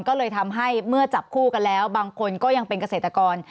ก็เลยทำให้เมื่อจับคู่กันแล้วบางคนก็ยังเป็นเกษตรกร